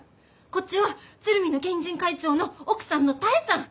こっちは鶴見の県人会長の奥さんの多江さん！